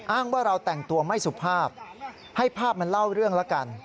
อ้างว่าเราแต่งตัวไม่สุภาพให้ภาพมันเล่าเรื่องแล้วกัน